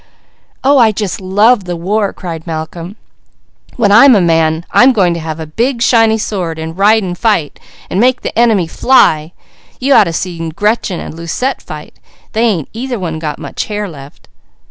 Oh I just love the war!" cried Malcolm. "When I'm a man I'm going to have a big shiny sword, and ride, and fight, and make the enemy fly! You ought to seen Gretchen and Lucette fight! They ain't either one got much hair left."